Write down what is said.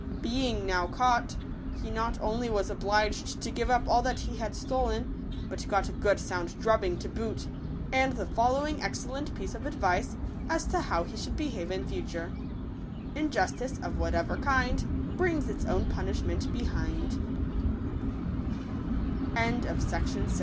Being now caught, he not only was obliged to give up all that he had stolen, but got a good sound drubbing to boot, and the following excellent piece of advice as to how he should behave in future : Injustice, of whatever kind, Brings its own punishment